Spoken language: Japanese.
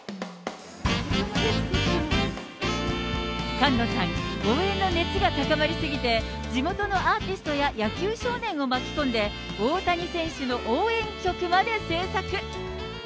菅野さん、応援の熱が高まり過ぎて、地元のアーティストや野球少年を巻き込んで、大谷選手の応援曲まで制作。